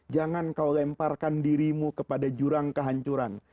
jangan kau lemparkan dirimu kepada jurang kehancuran